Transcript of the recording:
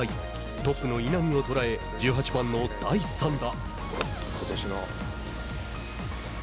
トップの稲見を捉え１８番の第３打。